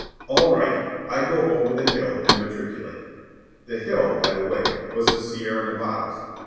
All right, I'd go over the hill and matriculate. "The hill," by the way, was the Sierra Nevadas.